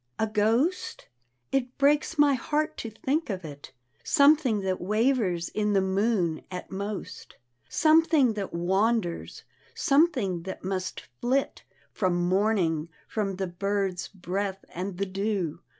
A ghost? It breaks my heart to think of it. Something that wavers in the moon, at most; Something that wanders: something that must flit From morning, from the bird's breath and the dew.